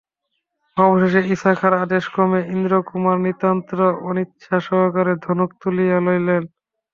অবশেষে ইশা খাঁর আদেশক্রমে ইন্দ্রকুমার নিতান্ত অনিচ্ছাসহকারে ধনুক তুলিয়া লইলেন।